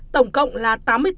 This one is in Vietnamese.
tổng cộng là